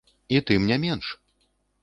І тым не менш!